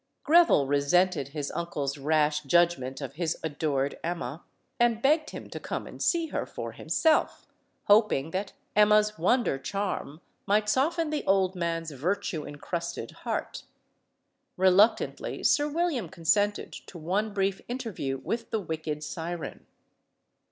GrevilSe resented his uncle's rash judgment of his adored Emma, and begged him to come and see her for himself, hoping that Emma's wonder charm might soften the old man's virtue incrusted heart. Reluctant ly, Sir William consented to one brief interview with the wicked siren.